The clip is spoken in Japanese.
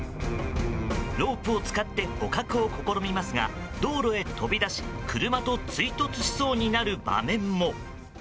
ロープを使って捕獲を試みますが道路へ飛び出し車と追突しそうになる場面も。